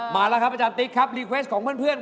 มาแล้วครับอาจารย์ติ๊กครับรีเฟสของเพื่อน